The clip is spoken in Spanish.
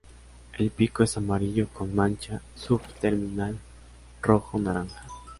El pico es amarillo con mancha subterminal rojo-naranja.